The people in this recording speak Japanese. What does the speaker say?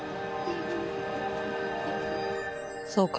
そうか。